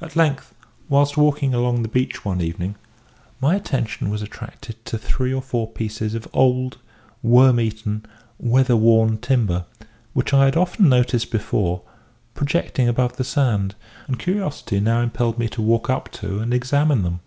At length, whilst walking along the beach one evening, my attention was attracted to three or four pieces of old, worm eaten, weather worn timber, which I had often noticed before, projecting above the sand; and curiosity now impelled me to walk up to and examine them.